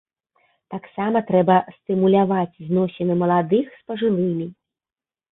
Таксама трэба стымуляваць зносіны маладых з пажылымі.